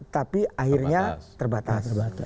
tapi akhirnya terbatas